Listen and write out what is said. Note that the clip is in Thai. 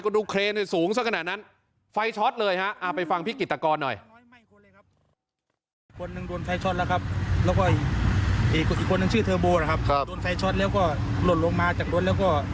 โดนไฟช็อตแล้วก็หล่นลงมาจากรถแล้วก็